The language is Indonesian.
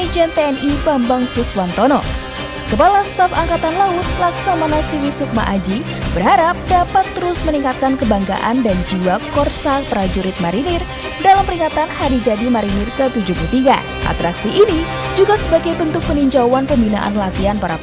jarak delapan ratus meter